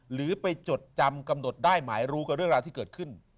หรือไปจดจำกำหนดได้หมายรู้กับเรื่องราวที่เกิดขึ้น